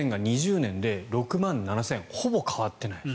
６万４０００が２０年で６万７０００ほぼ変わっていない。